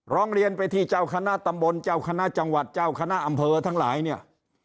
ร้องเรียนไปที่เจ้าคณะตำบลเจ้าคณะจังหวัดเจ้าคณะอำเภอทั้งหลายเนี่ย